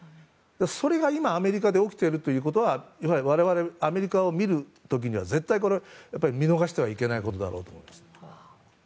それが今、アメリカで起きているということは我々がアメリカを見る時には見逃してはいけないことだろうと思います。